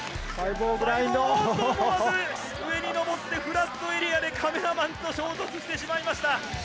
おーっと、上にのぼってフラットエリアでカメラマンと衝突してしまいました。